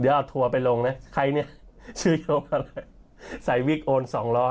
เดี๋ยวเอาทัวร์ไปลงนะใครเนี่ยชื่อยงอะไรใส่วิกโอน๒๐๐